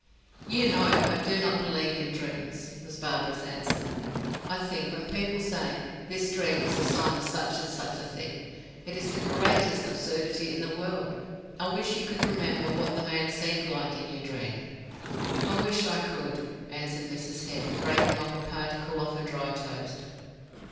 "You know, I do not believe in dreams," was Barbara's answer. "I think when people say, 'this dream is a sign of such and such a thing,' it is the greatest absurdity in the world. I wish you could remember what the man seemed like in your dream." "I wish I could," answered Mrs. Hare, breaking off a particle of her dry toast.